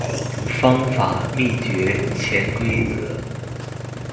方法、秘訣、潛規則